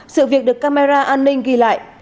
sự việc được camera an ninh ghi lại